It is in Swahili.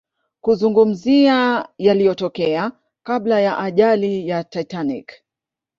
kuzungumzia yaliyotokea kabla ya ajali ya Titanic